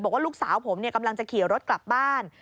บอกว่าลูกสาวผมกำลังจะขี่รถกลับบ้าน